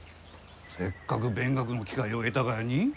せっかく勉学の機会を得たがやに？